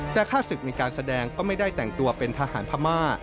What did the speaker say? แต่ถ้าศึกในการแสดงก็ไม่ได้แต่งตัวเป็นทหารพม่า